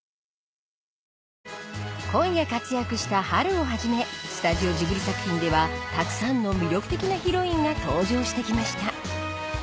今夜活躍したハルをはじめスタジオジブリ作品ではたくさんの魅力的なヒロインが登場して来ました